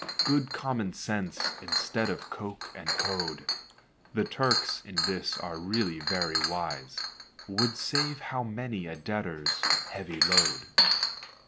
Good common sense, instead of Coke and code, (The Turks in this are really very wise,) Would save how many a debtor's heavy load.